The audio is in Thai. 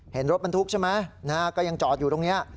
เห็นรถบรรทุกใช่ไหมก็ยังจอดอยู่ตรงนี้